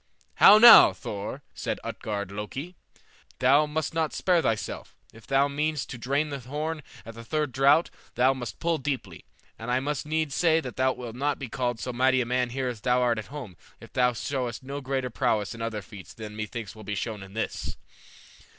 "How now, Thor?" said Utgard Loki; "thou must not spare thyself; if thou meanest to drain the horn at the third draught thou must pull deeply; and I must needs say that thou wilt not be called so mighty a man here as thou art at home if thou showest no greater prowess in other feats than methinks will be shown in this."